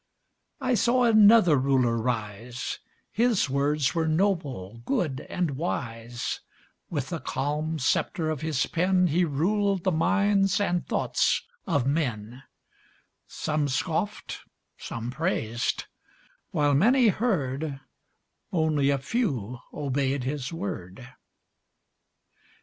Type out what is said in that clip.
I saw another Ruler rise His words were noble, good, and wise; With the calm sceptre of his pen He ruled the minds and thoughts of men; Some scoffed, some praised while many heard, Only a few obeyed his word.